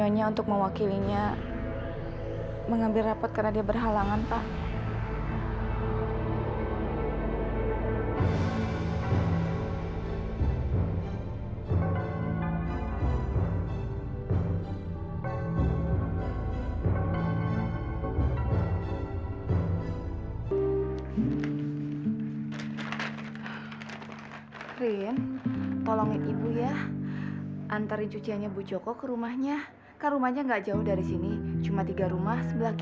dengan ini saya akan mengumumkan murid terbaik tahun ajaran ini dengan nilai rata rata sembilan jatuh pada rina sulistiyawati